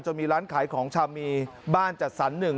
มีร้านขายของชำมีบ้านจัดสรรหนึ่ง